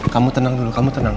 kamu tenang dulu kamu tenang